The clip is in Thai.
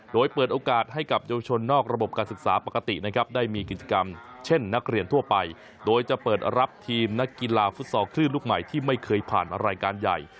โดยเปิดโอกาสให้กับเยาวชนนอกระบบการศึกษาปกตินะครับได้มีกิจกรรมเช่นนักเรียนทั่วไปโดยจะเปิดรับทีมนักกีฬาฟุตซอลคลื่นลูกใหม่ที่ไม่เคยผ่านรายการใหญ่